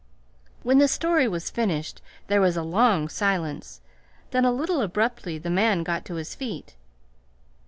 When the story was finished there was a long silence; then, a little abruptly the man got to his feet.